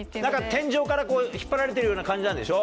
天井から引っ張られてるような感じなんでしょ？